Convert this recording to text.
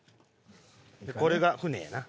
これが骨やな。